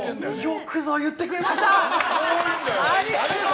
よくぞ言ってくれました！